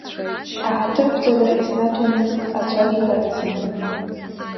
Аҳаҭырқәҵара иснаҭомызт ацәажәара азин.